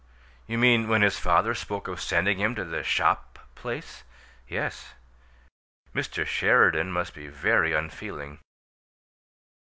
"You mean when his father spoke of sending him to the shop place?" "Yes." "Mr. Sheridan must be very unfeeling."